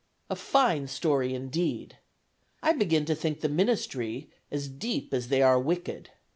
A fine story, indeed! I begin to think the ministry as deep as they are wicked.